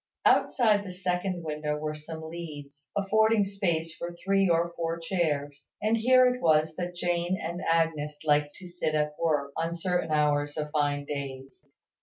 Outside the second window were some leads, affording space for three or four chairs: and here it was that Jane and Agnes liked to sit at work, on certain hours of fine days.